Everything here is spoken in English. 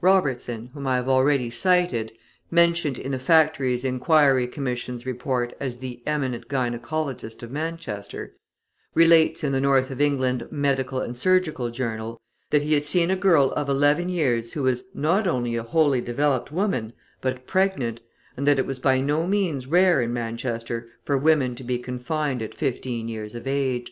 Robertson, whom I have already cited (mentioned in the Factories' Inquiry Commission's Report as the "eminent" gynaecologist of Manchester), relates in the North of England Medical and Surgical Journal, that he had seen a girl of eleven years who was not only a wholly developed woman, but pregnant, and that it was by no means rare in Manchester for women to be confined at fifteen years of age.